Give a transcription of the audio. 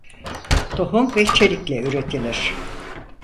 Tohum ve çelikle üretilir.